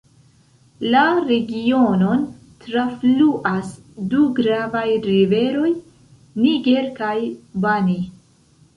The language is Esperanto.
La regionon trafluas du gravaj riveroj: Niger kaj Bani.